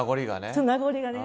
そう名残がね。